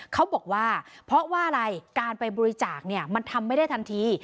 เขาบอกว่าเพราะว่าอะไรการไปบริจาคเนี่ยมันทำไม่ได้ทันที